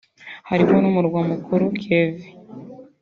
harimo n’Umurwa Mukuru Kiev